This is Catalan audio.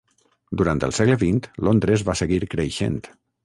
Durant el segle vint, Londres va seguir creixent.